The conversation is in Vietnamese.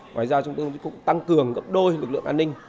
ngoài ra chúng tôi cũng tăng cường gấp đôi lực lượng an ninh